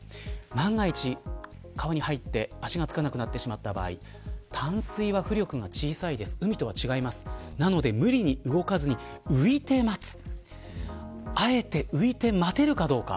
万が一川に入って足がつかなくなってしまった場合淡水は海とは違って浮力が小さいので無理に動かずに浮いて待つあえて浮いて待てるかどうか。